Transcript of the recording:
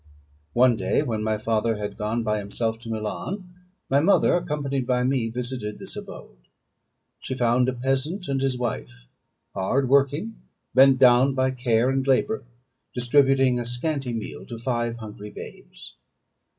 One day, when my father had gone by himself to Milan, my mother, accompanied by me, visited this abode. She found a peasant and his wife, hard working, bent down by care and labour, distributing a scanty meal to five hungry babes.